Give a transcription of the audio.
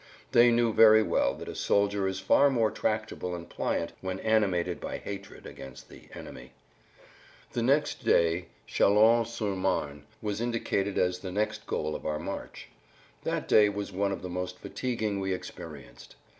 They knew very well that a soldier is far more tractable and pliant when animated by hatred against the "enemy." The next day Châlons sur Marne was indicated as the next goal of our march. That day was one of the most fatiguing we experienced.